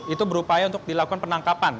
itu berupaya untuk dilakukan penangkapan